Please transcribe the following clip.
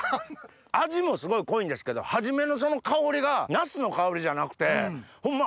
味もすごい濃いんですけど初めのその香りがナスの香りじゃなくてホンマ